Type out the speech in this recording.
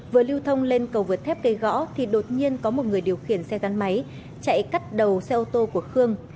vừa lưu thông lên cầu vượt thép cây gõ thì đột nhiên có một người điều khiển xe gắn máy chạy cắt đầu xe ô tô của khương